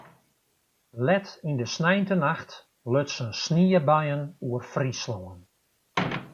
Let yn de sneintenacht lutsen sniebuien oer Fryslân.